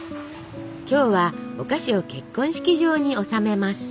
今日はお菓子を結婚式場に納めます。